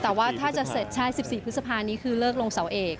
แต่ว่าถ้าจะเสร็จใช่๑๔พฤษภานี้คือเลิกลงเสาเอก